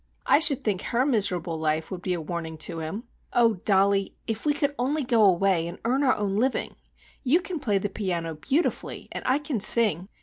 I should think her miserable life would be a warning to him! Oh, Dollie, if we could only go away and earn our own living. You can play the piano beautifully and I can sing.